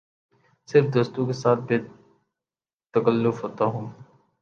صرف دوستوں کے ساتھ بے تکلف ہوتا ہوں